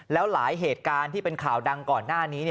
แล้วหลายเหตุการณ์ที่เป็นข่าวดังก่อนหน้านี้